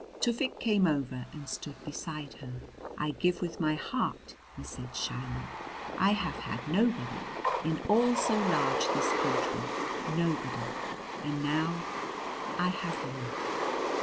Tufik came over and stood beside her. "I give with my heart," he said shyly. "I have had nobody in all so large this country nobody! And now I have you!"